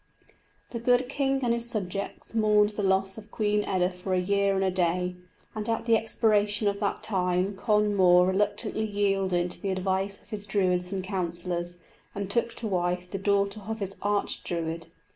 The good king and his subjects mourned the loss of Queen Eda for a year and a day, and at the expiration of that time Conn Mór reluctantly yielded to the advice of his Druids and counsellors, and took to wife the daughter of his Arch Druid.